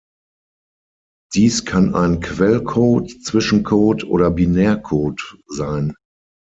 Dies kann ein Quellcode, Zwischencode oder Binärcode sein.